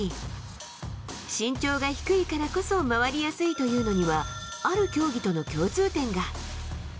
身長が低いからこそ回りやすいというのには、ある競技との共通点が。